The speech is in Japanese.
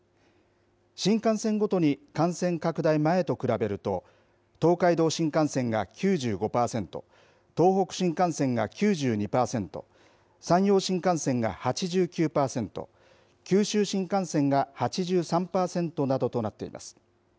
新幹線ごとに感染拡大前と比べると東海道新幹線が９５パーセント東北新幹線が９２パーセント山陽新幹線が８９パーセント九州新幹線が８３パーセントなどとなっています。